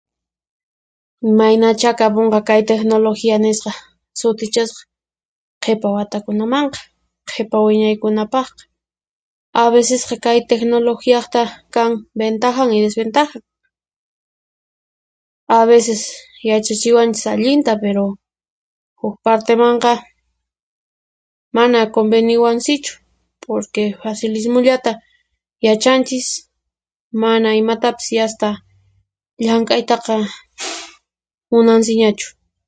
Imaynachá kapunqa kay tiknuluhiya nisqa sutichasqa qhipa watakunamanqa, qhipa wiñaykunapaqqa. A vecesqa kay tiknuluhiyaqta kan wintahan y diswintahan. A veces yachachiwanchis allinta piru, huk partimanqa, mana kunviniwansichu porque facilismullata yachanchis, mana imatapis yasta llank'aytaqa munansiñachu.